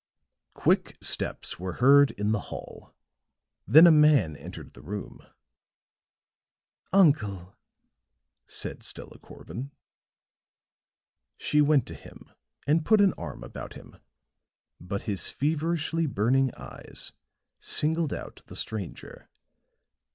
Quick steps were heard in the hall, then a man entered the room. "Uncle," said Stella Corbin. She went to him and put an arm about him, but his feverishly burning eyes singled out the stranger.